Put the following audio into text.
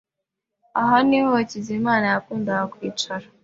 Aha niho Hakizimana yakundaga kwicara.